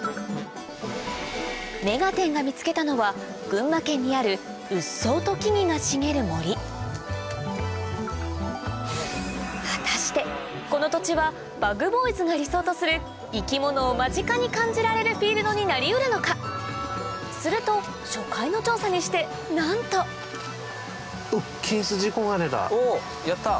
『目がテン！』が見つけたのは群馬県にあるうっそうと果たしてこの土地はＢｕｇＢｏｙｓが理想とする生き物を間近に感じられるフィールドになりうるのかすると初回の調査にしてなんとおやった！